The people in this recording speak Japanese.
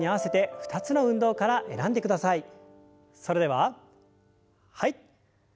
それでははい。